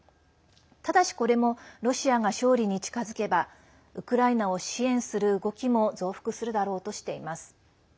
ただし、これもロシアが勝利に近づけばウクライナを支援する動きも増幅するだろうとしています。